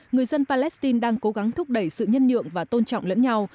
người dân palestine đang cố gắng thúc đẩy sự nhân nhượng và tôn trọng lẫn nhau